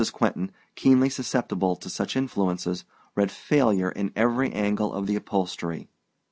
Quentin, keenly susceptible to such influences, read failure in every angle of the upholstery.